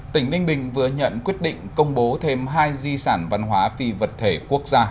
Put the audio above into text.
tỉnh ninh bình vừa nhận quyết định công bố thêm hai di sản văn hóa phi vật thể quốc gia